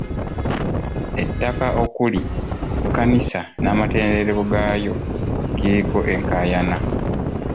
Ettaka okuli kkanisa n'amatendekero gaayo kiriko enkaayana.